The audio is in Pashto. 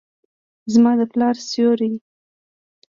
زما د پلار سیوري ،